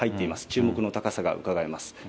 注目の高さがうかがえ